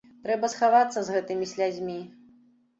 Трэба схавацца з гэтымі слязьмі.